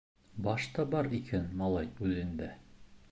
Баш та бар икән малай үҙеңдә!